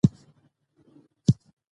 بې عدالتي اوږدمهاله نه وي